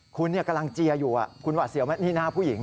คุณกำลังเจียอยู่คุณหวัดเสียวไหมนี่หน้าผู้หญิง